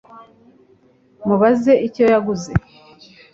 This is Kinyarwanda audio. mubaze icyo yaguze